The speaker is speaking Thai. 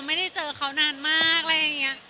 มีความสุขมากค่ะ